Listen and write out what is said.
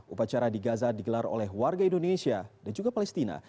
upacara di gaza digelar oleh warga indonesia dan juga palestina